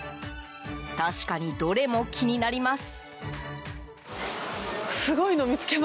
確かに、どれも気になります。